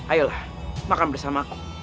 ayolah makan bersama aku